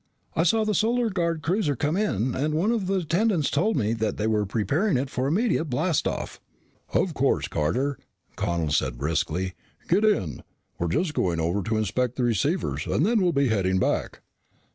I saw the Solar Guard cruiser come in and one of the attendants told me that they were preparing it for immediate blast off " "Of course, Carter," Connel said briskly. "Get in. We're just going over to inspect the receivers and then we'll be heading back."